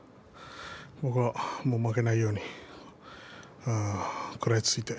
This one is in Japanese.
僕も負けないように食らいついていく。